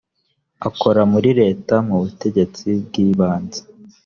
akora muri leta mu butegetsi bw ibanze .